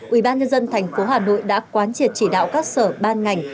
ủy ban nhân dân thành phố hà nội đã quán triệt chỉ đạo các sở ban ngành